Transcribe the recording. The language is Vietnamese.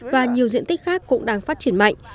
và nhiều diện tích khác cũng đang phát triển mạnh